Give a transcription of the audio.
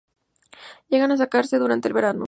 Llegan a secarse durante el verano.